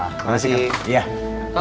terima kasih kang